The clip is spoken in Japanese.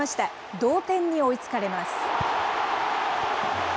同点に追いつかれます。